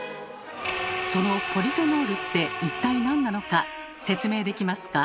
そのポリフェノールって一体何なのか説明できますか？